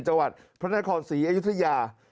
จังหวัดพระนักฐานสีอยุธยา